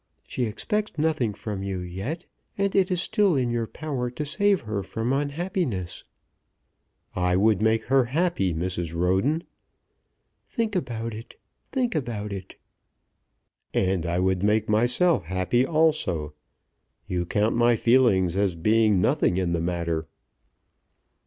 She expects nothing from you yet, and it is still in your power to save her from unhappiness." "I would make her happy, Mrs. Roden." "Think about it; think about it." "And I would make myself happy also. You count my feelings as being nothing in the matter."